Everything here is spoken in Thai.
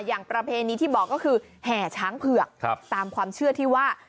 ประเพณีที่บอกก็คือแห่ช้างเผือกตามความเชื่อที่ว่า